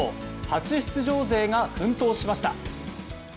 初出場勢が奮闘しました。